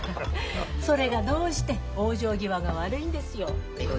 それがどうして往生際が悪いんですよ。